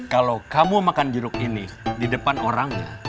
kalau kamu makan jeruk ini di depan orangnya